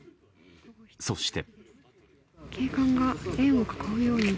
そして。